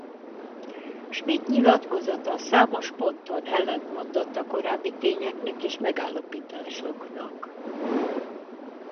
Schmitt nyilatkozata számos ponton ellentmondott a korábbi tényeknek és megállapításoknak.